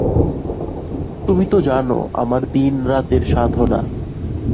তুমি তো জান আমার দিনরাতের সাধনা।